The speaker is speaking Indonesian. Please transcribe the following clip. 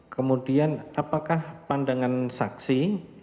kemudian apakah pandangan saksi